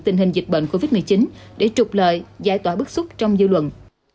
tình hình dịch bệnh covid một mươi chín để trục lợi giải tỏa bức xúc trong dư luận